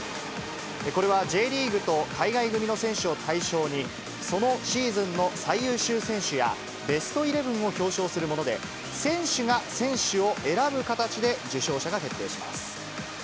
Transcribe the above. これはＪリーグと海外組の選手を対象に、そのシーズンの最優秀選手やベストイレブンを表彰するもので、選手が選手を選ぶ形で受賞者が決定します。